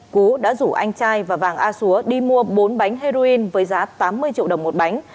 cú đã rủ anh trai và vàng a xúa đi mua bốn bánh heroin với giá tám mươi triệu đồng một bánh